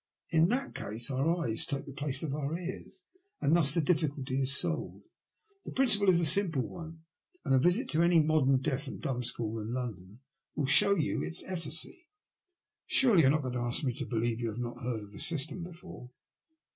In that case our eyes take the place of our ears, and thus the difficulty is solved. The principle is a simple one, and a visit to any modem deaf and dumb school in London will show you its efficacy. 68 THE LUST OF HATE. Surely you are not going to ask me to believe you have not heard of the system before?"